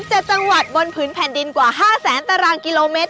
๗จังหวัดบนผืนแผ่นดินกว่าห้าแสนตารางกิโลเมตร